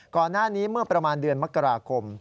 ก่อนหน้านี้เมื่อประมาณเดือนมกราคม